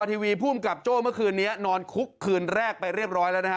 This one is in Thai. ทีวีภูมิกับโจ้เมื่อคืนนี้นอนคุกคืนแรกไปเรียบร้อยแล้วนะฮะ